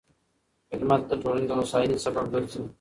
خدمت د ټولنې د هوساینې سبب ګرځي.